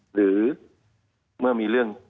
หรือเมื่อมีเรื่อง